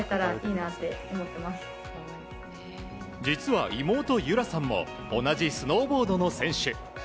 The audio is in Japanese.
実は、妹も同じスノーボードの選手。